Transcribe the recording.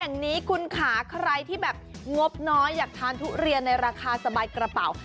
แห่งนี้คุณค่ะใครที่แบบงบน้อยอยากทานทุเรียนในราคาสบายกระเป๋า